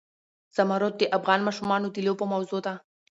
زمرد د افغان ماشومانو د لوبو موضوع ده.